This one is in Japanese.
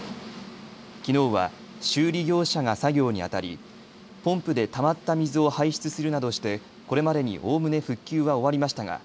きのうは修理業者が作業にあたりポンプでたまった水を排出するなどして、これまでにおおむね復旧は終わりましたが